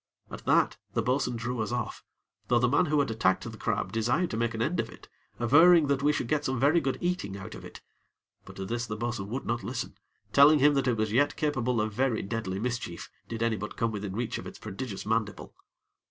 At that, the bo'sun drew us off, though the man who had attacked the crab desired to make an end of it, averring that we should get some very good eating out of it; but to this the bo'sun would not listen, telling him that it was yet capable of very deadly mischief, did any but come within reach of its prodigious mandible.